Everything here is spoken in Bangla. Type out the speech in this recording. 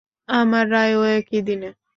আমার রায়ও একই দিনে।